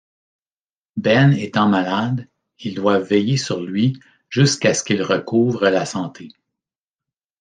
Ben étant malade, ils doivent veiller sur lui jusqu'à ce qu'il recouvre la santé.